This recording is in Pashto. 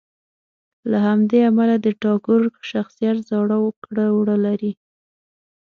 له همدې امله د ټاګور شخصیت زاړه کړه وړه لري.